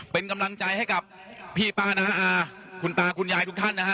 เป็นกำลังใจให้กับพี่ป้าน้าอาคุณตาคุณยายทุกท่านนะฮะ